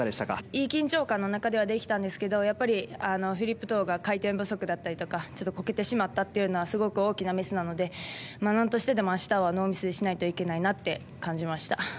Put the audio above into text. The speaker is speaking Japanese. いい緊張感の中でできましたがフリップが回転不足だったりちょっとこけてしまったというのはすごく大きなミスなので何としてでも、明日はノーミスにしないといけないなって感じました。